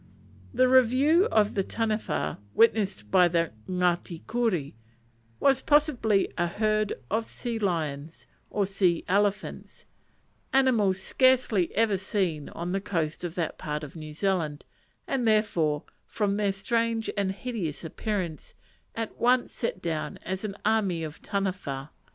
The "review of the Taniwha," witnessed by the Ngati Kuri, was possibly a herd of sea lions, or sea elephants; animals scarcely ever seen on the coast of that part of New Zealand, and, therefore, from their strange and hideous appearance, at once set down as an army of Taniwha.